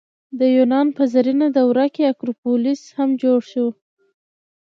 د یونان په زرینه دوره کې اکروپولیس هم جوړ شو.